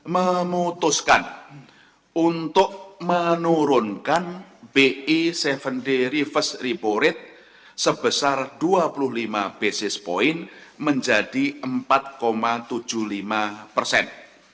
memutuskan untuk menurunkan bi tujuh day reverse repo rate sebesar dua puluh lima basis point menjadi empat tujuh puluh lima persen